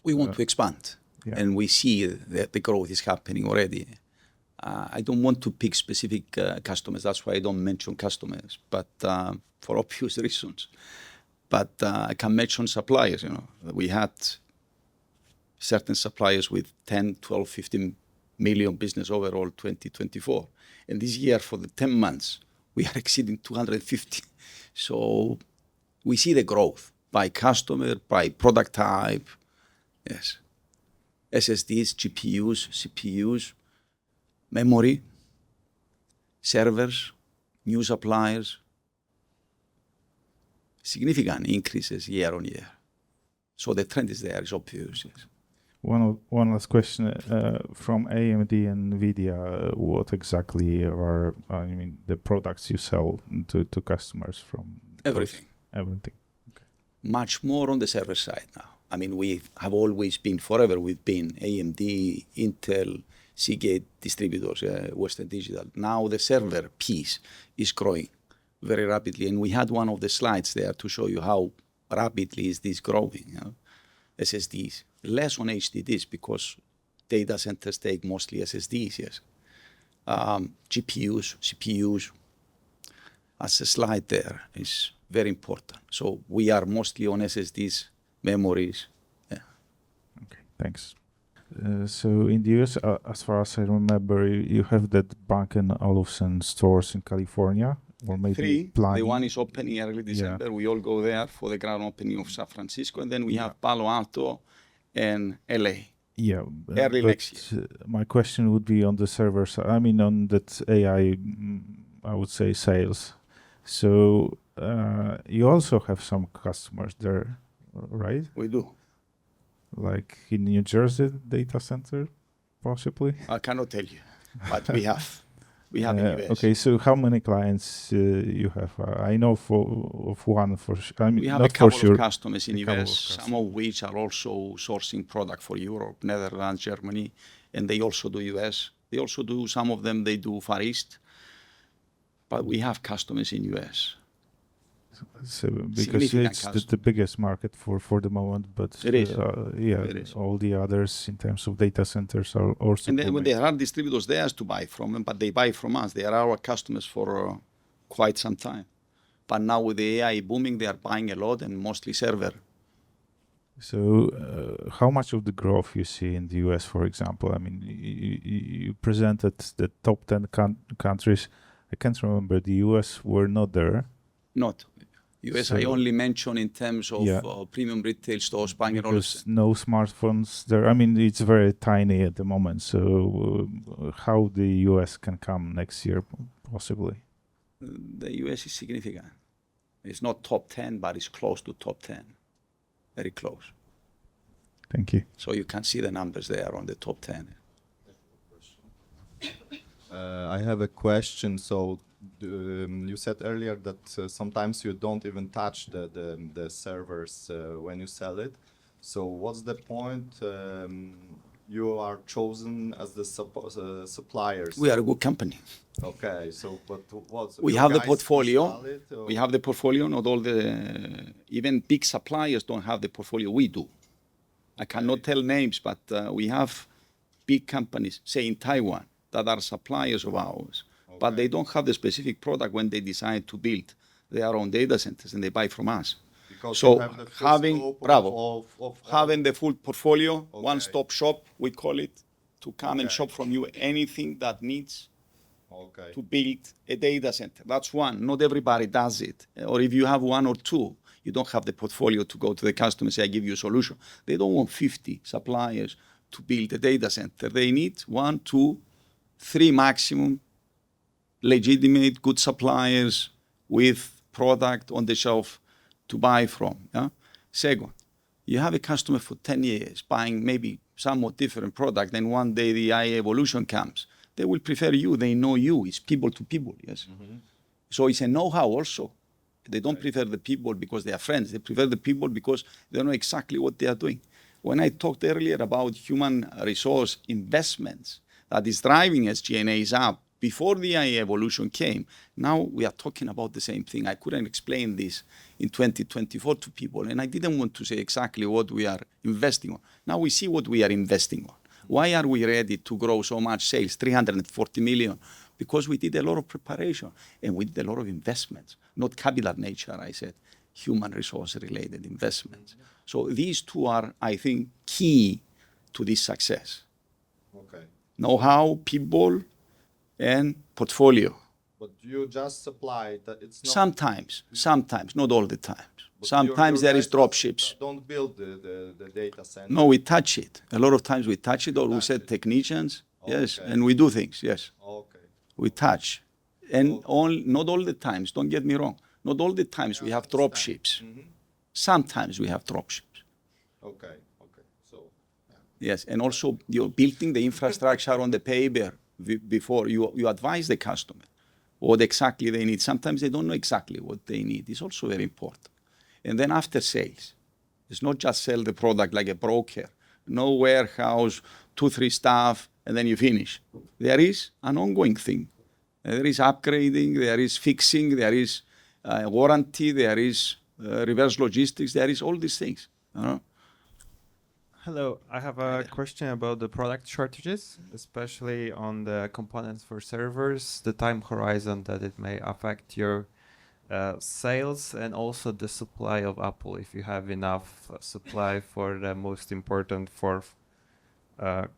We want to expand and we see that the growth is happening already. I don't want to pick specific customers. That's why I don't mention customers, but for obvious reasons. But I can mention suppliers. We had certain suppliers with $10 million, $12 million, $15 million business overall 2024, and this year for the 10 months, we are exceeding $250 million. So we see the growth by customer, by product type. Yes. SSDs, GPUs, CPUs, memory, servers, new suppliers. Significant increases year-on-year. So the trend is there, it's obvious. One last question from AMD and NVIDIA. What exactly are the products you sell to customers from? Everything. Everything. Much more on the server side now. I mean, we have always been forever. We've been AMD, Intel, Seagate, distributors, Western Digital. Now the server piece is growing very rapidly, and we had one of the slides there to show you how rapidly is this growing. SSDs, less on HDDs because data centers take mostly SSDs, yes. GPUs, CPUs. As a slide there is very important. So we are mostly on SSDs, memories. Yeah. Okay, thanks. So in the US, as far as I remember, you have that Bang & Olufsen stores in California or maybe. The one is opening early December. We all go there for the grand opening in San Francisco. And then we have Palo Alto and LA. Yeah. Early next year. My question would be on the server side. I mean, on that AI, I would say sales. So you also have some customers there, right? We do. Like in New Jersey data center, possibly? I cannot tell you, but we have. We have in the U.S. Okay, so how many clients do you have? I know of one for sure. We have a couple of customers in the U.S., some of which are also sourcing product for Europe, Netherlands, Germany. And they also do U.S. They also do some of them, they do Far East. But we have customers in the U.S. Because it's the biggest market for the moment, but. It is. Yeah, all the others in terms of data centers are also coming. And then when they are distributors, they have to buy from them, but they buy from us. They are our customers for quite some time. But now with the AI booming, they are buying a lot and mostly server. So how much of the growth you see in the U.S., for example? I mean, you presented the top 10 countries. I can't remember. The U.S. were not there. Not. U.S. I only mentioned in terms of premium retail stores, Bang & Olufsen. No smartphones there. I mean, it's very tiny at the moment. So how the U.S. can come next year, possibly. The U.S. is significant. It's not top 10, but it's close to top 10. Very close. Thank you. So you can see the numbers there on the top 10. I have a question. So you said earlier that sometimes you don't even touch the servers when you sell it. So what's the point? You are chosen as the suppliers. We are a good company. Okay, so what? We have the portfolio. We have the portfolio. Not all the even big suppliers don't have the portfolio we do. I cannot tell names, but we have big companies, say in Taiwan, that are suppliers of ours. But they don't have the specific product when they design to build their own data centers and they buy from us. Because having the full portfolio, one-stop shop, we call it, to come and shop from you anything that needs to build a data center. That's one. Not everybody does it. Or if you have one or two, you don't have the portfolio to go to the customer and say, I give you a solution. They don't want 50 suppliers to build a data center. They need one, two, three maximum legitimate good suppliers with product on the shelf to buy from. Second, you have a customer for 10 years buying maybe some more different product, then one day the AI evolution comes. They will prefer you. They know you. It's people to people, yes. So it's a know-how also. They don't prefer the people because they are friends. They prefer the people because they know exactly what they are doing. When I talked earlier about human resource investments that is driving SG&As up before the AI evolution came, now we are talking about the same thing. I couldn't explain this in 2024 to people, and I didn't want to say exactly what we are investing on. Now we see what we are investing on. Why are we ready to grow so much sales, 340 million? Because we did a lot of preparation and we did a lot of investments. Not capital nature, I said, human resource related investments. So these two are, I think, key to this success. Okay. Know-how, people, and portfolio. But you just supply that it's not. Sometimes. Sometimes. Not all the time. Sometimes there are dropships. Don't build the data center. No, we touch it. A lot of times we touch it or we set technicians. Yes, and we do things. Yes. Okay. We touch, and not all the times. Don't get me wrong. Not all the times we have dropships. Sometimes we have dropships. Okay. Okay. So Yes, and also you're building the infrastructure on the paper before you advise the customer what exactly they need. Sometimes they don't know exactly what they need. It's also very important. And then after sales, it's not just sell the product like a broker. No warehouse, two, three staff, and then you finish. There is an ongoing thing. There is upgrading, there is fixing, there is warranty, there is reverse logistics, there is all these things. Hello, I have a question about the product shortages, especially on the components for servers, the time horizon that it may affect your sales and also the supply of Apple if you have enough supply for the most important fourth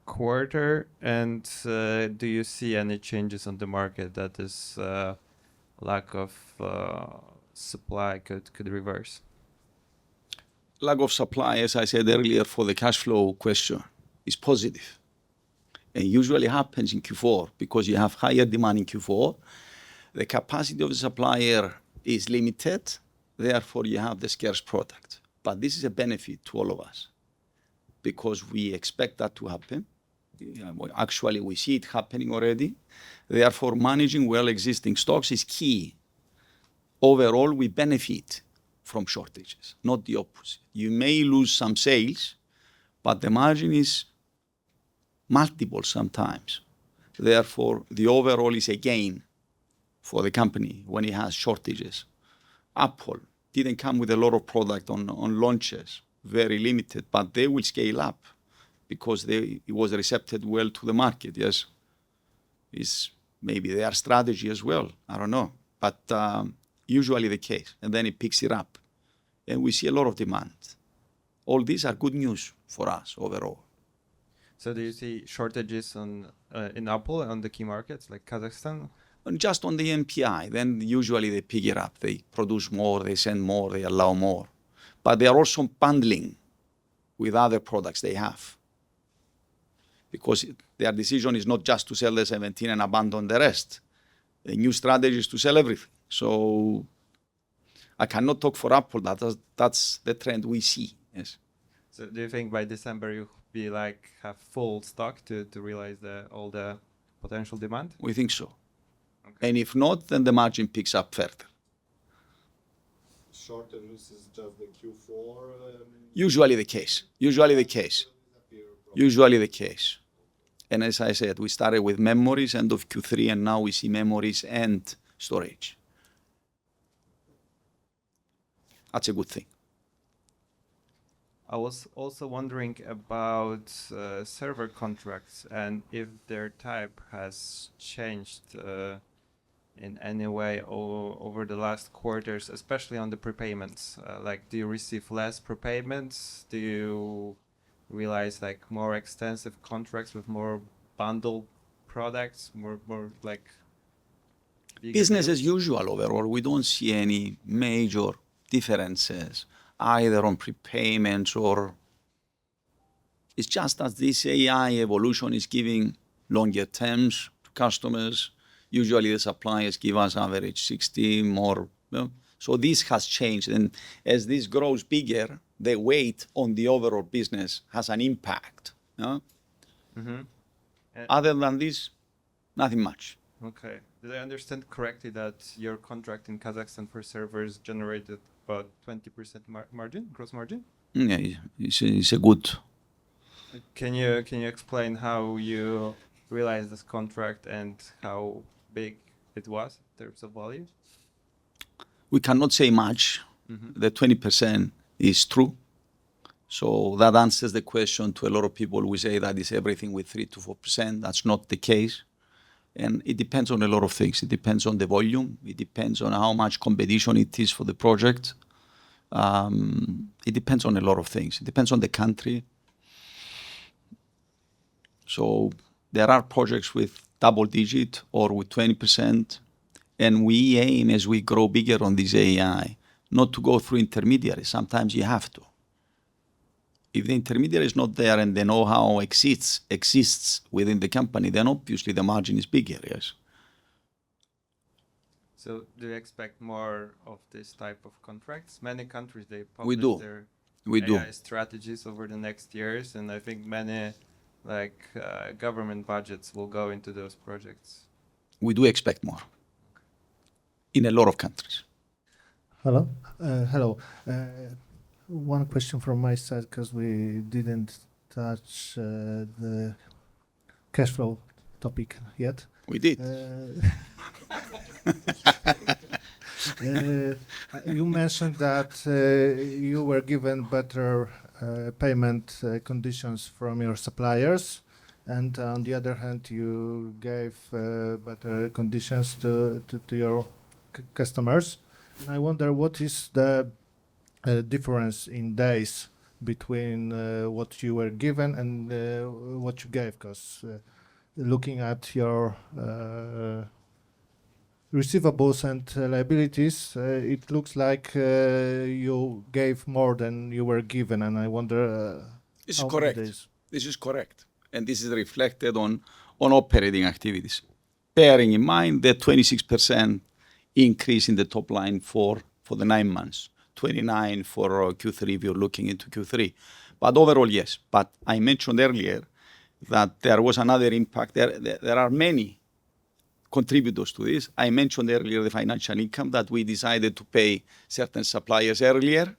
quarter? And do you see any changes on the market that this lack of supply could reverse? Lack of supply, as I said earlier for the cash flow question, is positive. And usually happens in Q4 because you have higher demand in Q4. The capacity of the supplier is limited. Therefore, you have the scarce product. But this is a benefit to all of us because we expect that to happen. Actually, we see it happening already. Therefore, managing well-existing stocks is key. Overall, we benefit from shortages, not the opposite. You may lose some sales, but the margin is multiple sometimes. Therefore, the overall is a gain for the company when it has shortages. Apple didn't come with a lot of product on launches, very limited, but they will scale up because it was receptive well to the market, yes. Maybe their strategy as well. I don't know, but usually the case, and then it picks it up, and we see a lot of demand. All these are good news for us overall. So do you see shortages in Apple and the key markets like Kazakhstan? Just on the NPI, then usually they pick it up. They produce more, they send more, they allow more. But they are also bundling with other products they have. Because their decision is not just to sell the 17 and abandon the rest. The new strategy is to sell everything. So I cannot talk for Apple. That's the trend we see. Do you think by December you'll be like have full stock to realize all the potential demand? We think so. And if not, then the margin picks up further. Shortage is just the Q4? Usually the case. And as I said, we started with memories end of Q3 and now we see memories and storage. That's a good thing. I was also wondering about server contracts and if their type has changed in any way over the last quarters, especially on the prepayments. Like do you receive less prepayments? Do you realize like more extensive contracts with more bundled products? Business as usual overall. We don't see any major differences either on prepayments or it's just that this AI evolution is giving longer terms to customers. Usually the suppliers give us average 16 more. So this has changed. As this grows bigger, the weight on the overall business has an impact. Other than this, nothing much. Okay. Did I understand correctly that your contract in Kazakhstan for servers generated about 20% gross margin? Yeah, it's good. Can you explain how you realized this contract and how big it was in terms of volume? We cannot say much. The 20% is true. So that answers the question to a lot of people. We say that is everything with 3%-4%. That's not the case. And it depends on a lot of things. It depends on the volume. It depends on how much competition it is for the project. It depends on a lot of things. It depends on the country. So there are projects with double-digit or with 20%. And we aim as we grow bigger on this AI, not to go through intermediary. Sometimes you have to. If the intermediary is not there and the know-how exists within the company, then obviously the margin is bigger, yes. So do you expect more of this type of contracts? Many countries, they possibly. We do. Their strategies over the next years, and I think many government budgets will go into those projects. We do expect more in a lot of countries. Hello. Hello. One question from my side because we didn't touch the cash flow topic yet. We did. You mentioned that you were given better payment conditions from your suppliers, and on the other hand, you gave better conditions to your customers. I wonder what is the difference in days between what you were given and what you gave? Because looking at your receivables and liabilities, it looks like you gave more than you were given, and I wonder. It's correct. This is correct. This is reflected on operating activities. Bearing in mind the 26% increase in the top line for the nine months, 29% for Q3 if you're looking into Q3. But overall, yes. But I mentioned earlier that there was another impact. There are many contributors to this. I mentioned earlier the financial income that we decided to pay certain suppliers earlier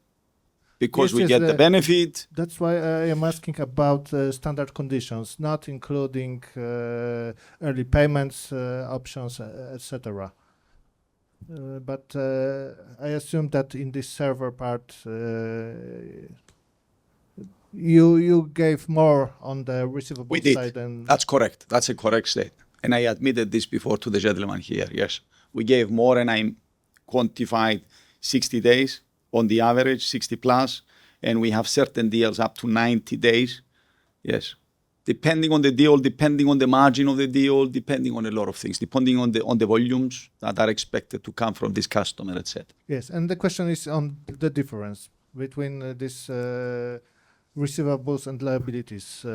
because we get the benefit. That's why I am asking about standard conditions, not including early payments options, etc. But I assume that in this server part, you gave more on the receivable side than. That's correct. That's a correct statement. And I admitted this before to the gentleman here, yes. We gave more and I quantified 60 days on the average, 60 plus. And we have certain deals up to 90 days, yes. Depending on the deal, depending on the margin of the deal, depending on a lot of things, depending on the volumes that are expected to come from this customer, etc. Yes. And the question is on the difference between these receivables and liabilities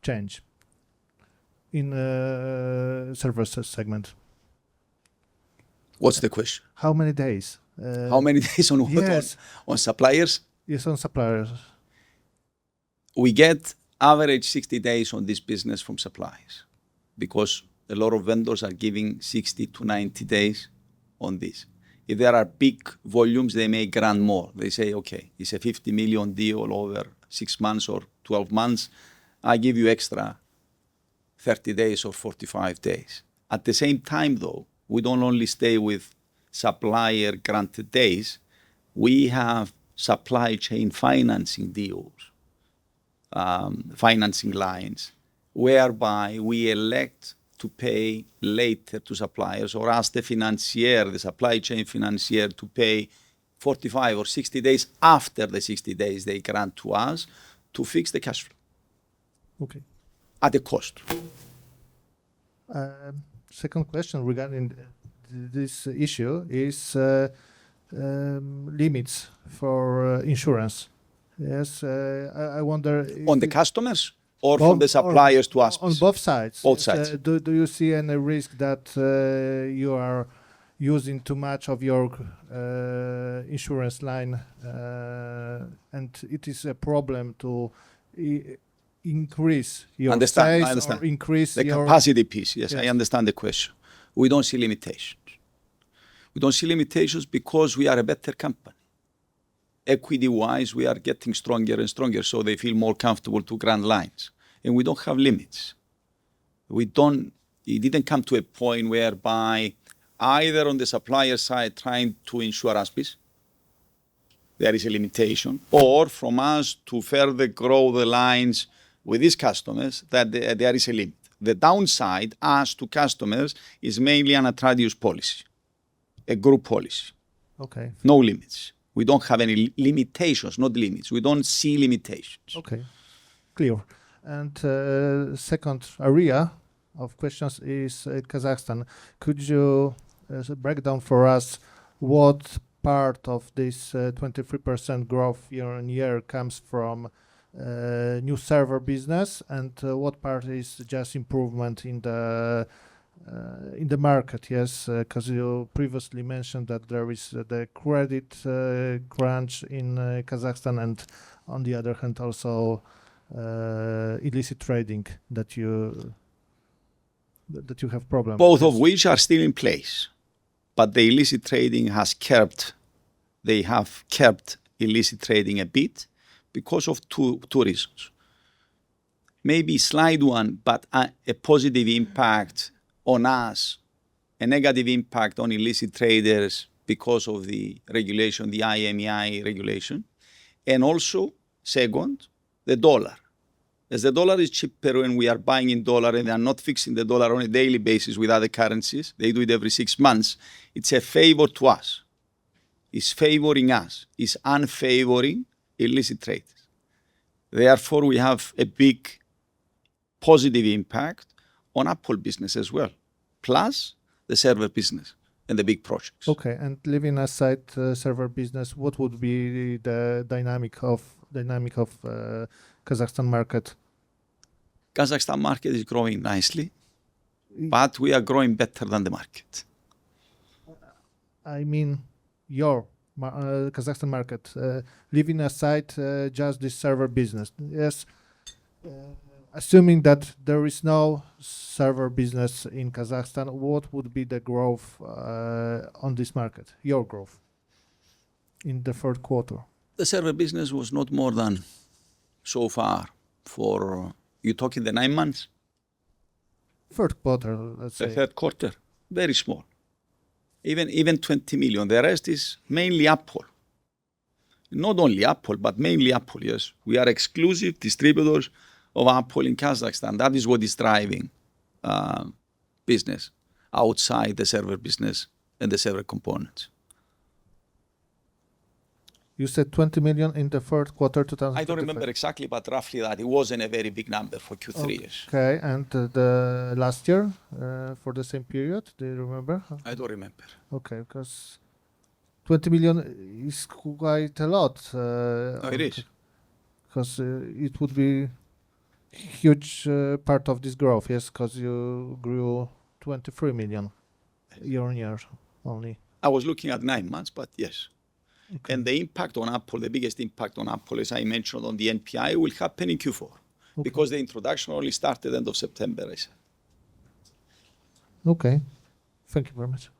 change in the server segment. What's the question? How many days? How many days on what? On suppliers? Yes, on suppliers. We get average 60 days on this business from suppliers because a lot of vendors are giving 60-90 days on this. If there are big volumes, they may grant more. They say, okay, it's a 50 million deal over six months or 12 months. I give you extra 30 days or 45 days. At the same time, though, we don't only stay with supplier-granted days. We have supply chain financing deals, financing lines, whereby we elect to pay later to suppliers or ask the financier, the supply chain financier, to pay 45 or 60 days after the 60 days they grant to us to fix the cash flow. Okay. At the cost. Second question regarding this issue is limits for insurance. Yes. I wonder. On the customers or from the suppliers to us? On both sides. Both sides. Do you see any risk that you are using too much of your insurance line? And it is a problem to increase your size. Understand. Understand. Increase your. The capacity piece. Yes, I understand the question. We don't see limitations. We don't see limitations because we are a better company. Equity-wise, we are getting stronger and stronger. So they feel more comfortable to grant lines. And we don't have limits. We didn't come to a point whereby either on the supplier side trying to insure us, there is a limitation or from us to further grow the lines with these customers, there is a limit. The downside as to customers is mainly an Atradius policy, a group policy. Okay. No limits. We don't have any limitations, not limits. We don't see limitations. Okay. Clear. And second area of questions is Kazakhstan. Could you break down for us what part of this 23% growth year-on-year comes from new server business and what part is just improvement in the market? Yes, because you previously mentioned that there is the credit crunch in Kazakhstan and on the other hand also illicit trading that you have problems. Both of which are still in place. But the illicit trading has kept. They have kept illicit trading a bit because of two reasons. Maybe slide one, but a positive impact on us, a negative impact on illicit traders because of the regulation, the IMEI regulation. And also second, the dollar. As the dollar is cheaper when we are buying in dollar and they are not fixing the dollar on a daily basis with other currencies, they do it every six months. It's a favor to us. It's favoring us. It's unfavoring illicit traders. Therefore, we have a big positive impact on Apple business as well, plus the server business and the big projects. Okay. And leaving aside server business, what would be the dynamic of Kazakhstan market? Kazakhstan market is growing nicely, but we are growing better than the market. I mean, your Kazakhstan market, leaving aside just the server business, yes, assuming that there is no server business in Kazakhstan, what would be the growth on this market, your growth in the third quarter? The server business was not more than so far for. You're talking the nine months? Third quarter, let's say. The third quarter. Very small. Even 20 million. The rest is mainly Apple. Not only Apple, but mainly Apple, yes. We are exclusive distributors of Apple in Kazakhstan. That is what is driving business outside the server business and the server components. You said 20 million in the third quarter 2020. I don't remember exactly, but roughly that. It wasn't a very big number for Q3. Okay. And last year for the same period, do you remember? I don't remember. Okay. Because 20 million is quite a lot. It is. Because it would be a huge part of this growth, yes, because you grew 23 million year-on-year only. I was looking at nine months, but yes. And the impact on Apple, the biggest impact on Apple, as I mentioned on the NPI, will happen in Q4 because the introduction only started end of September, I said. Okay. Thank you very much.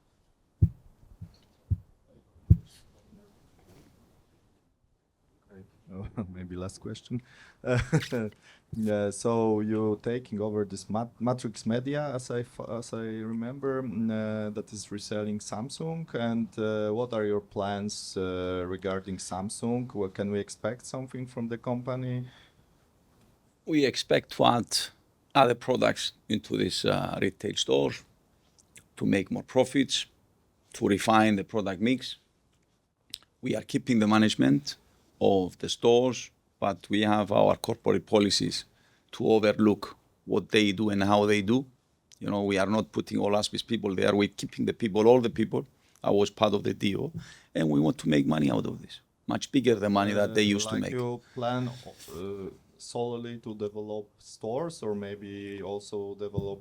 Maybe last question. So you're taking over this Matrix Media, as I remember, that is reselling Samsung. And what are your plans regarding Samsung? Can we expect something from the company? We expect to add other products into this retail store to make more profits, to refine the product mix. We are keeping the management of the stores, but we have our corporate policies to overlook what they do and how they do. We are not putting all ASBIS people there. We're keeping the people, all the people. I was part of the deal, and we want to make money out of this. Much bigger than money that they used to make. Do you plan solely to develop stores or maybe also develop?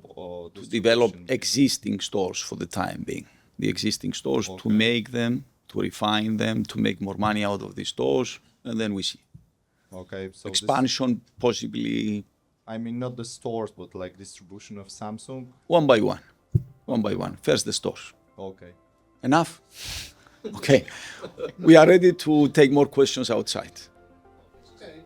To develop existing stores for the time being. The existing stores to make them, to refine them, to make more money out of these stores, and then we see. Okay. Expansion possibly. I mean, not the stores, but like distribution of Samsung? One by one. One by one. First the stores. Okay. Enough? Okay. We are ready to take more questions outside.